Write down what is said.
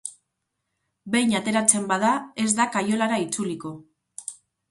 Behin ateratzen bada, ez da kaiolara itzuliko.